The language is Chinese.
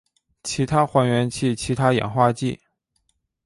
其他还原器其他氧化剂